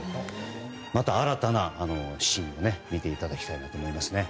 また、新たな７人も見ていただきたいと思います。